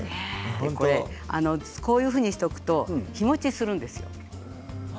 こういうふうにしておくと日もちがするんですよ。